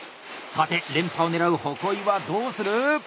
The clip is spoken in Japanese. さて連覇を狙う鉾井はどうする？